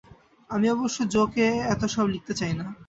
আমি অবশ্য জো-কে এত সব লিখতে চাই না।